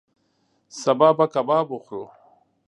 سبا به کباب وخورو